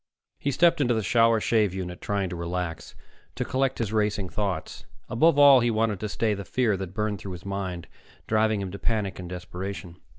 He stepped into the shower shave unit, trying to relax, to collect his racing thoughts. Above all, he tried to stay the fear that burned through his mind, driving him to panic and desperation.